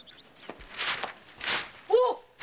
あっ！